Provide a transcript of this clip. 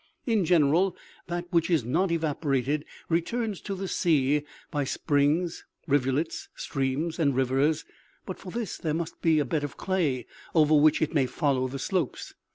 In general, that which is not evapo rated, returns to the sea by springs, rivulets, streams and rivers; but for this there must be a bed of clay, over which it may follow the slopes.